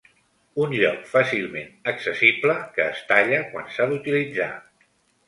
Un lloc fàcilment accessible, que es talla quan s'ha d'utilitzar.